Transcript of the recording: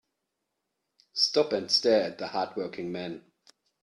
Stop and stare at the hard working man.